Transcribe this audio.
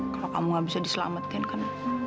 kalau kamu gak bisa diselamatkan kan